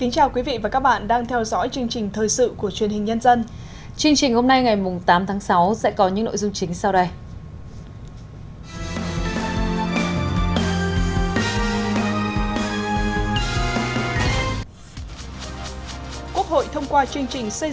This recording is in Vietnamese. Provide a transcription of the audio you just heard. các bạn hãy đăng ký kênh để ủng hộ kênh của chúng mình nhé